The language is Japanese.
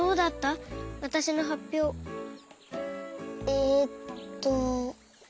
えっと。